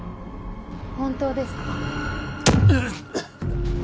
本当ですか？